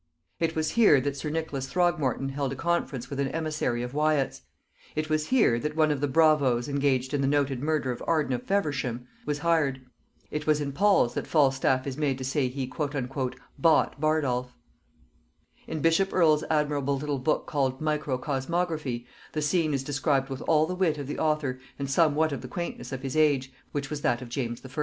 It was here that sir Nicholas Throgmorton held a conference with an emissary of Wyat's; it was here that one of the bravoes engaged in the noted murder of Arden of Feversham was hired. It was in Paul's that Falstaff is made to say he "bought" Bardolph. In bishop Earl's admirable little book called Micro cosmography the scene is described with all the wit of the author and somewhat of the quaintness of his age, which was that of James I.